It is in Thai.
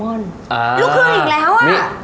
รูขีดอีกแล้วอะ